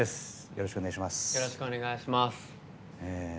よろしくお願いします。